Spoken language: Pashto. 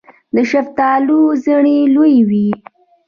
د شفتالو زړې لویې وي.